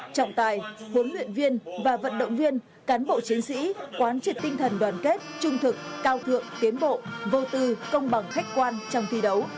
trọng tài huấn luyện viên và vận động viên cán bộ chiến sĩ quán triệt tinh thần đoàn kết trung thực cao thượng tiến bộ vô tư công bằng khách quan trong thi đấu